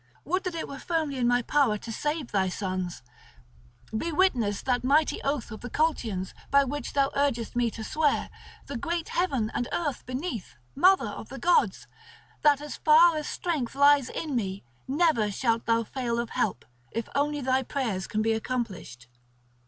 Would that it were firmly in my power to save thy sons! Be witness that mighty oath of the Colchians by which thou urgest me to swear, the great Heaven, and Earth beneath, mother of the gods, that as far as strength lies in me, never shalt thou fail of help, if only thy prayers can be accomplished."